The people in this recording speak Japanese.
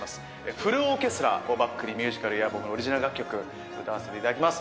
フルオーケストラをバックにミュージカルや僕のオリジナル楽曲、歌わせていただきます。